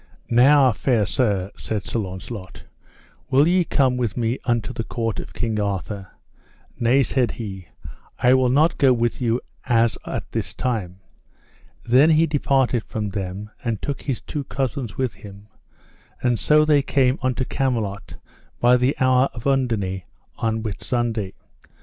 Now fair sir, said Sir Launcelot, will ye come with me unto the court of King Arthur? Nay, said he, I will not go with you as at this time. Then he departed from them and took his two cousins with him, and so they came unto Camelot by the hour of underne on Whitsunday.